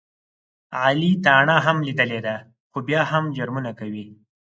علي تاڼه هم لیدلې ده، خو بیا هم جرمونه کوي.